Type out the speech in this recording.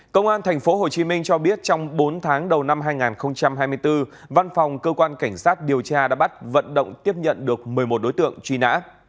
công an tp hcm cho biết trong bốn tháng đầu năm hai nghìn hai mươi bốn văn phòng cơ quan cảnh sát điều tra đã bắt vận động tiếp nhận được một mươi một đối tượng truy nã